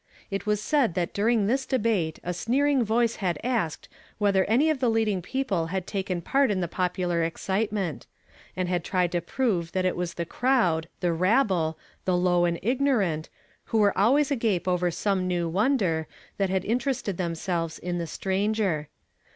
It was said that during this debate a sneer ing voice had asked whether any of the leading people had taken part in the popular excitement ; and had tried to prove that it was the crowd, the rabble, the low and ignorant, who were always agape over some new wonder, that had interested themselves in the stranger.